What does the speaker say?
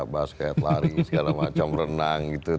basket laring segala macam renang gitu